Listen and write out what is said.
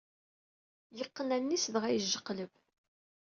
Yeqqen allen-is dɣa yejqqeleb.